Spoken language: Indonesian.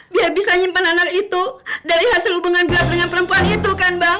dia bisa nyimpan anak itu dari hasil hubungan gelap dengan perempuan itu kan bang